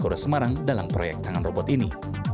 di ponegoro semarang dalam proyek tangan robot ini